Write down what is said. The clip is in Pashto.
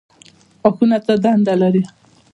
غاښونه څه دنده لري؟